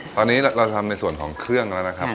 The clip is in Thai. ตอนนี้เราทำในส่วนของเครื่องแล้วนะครับ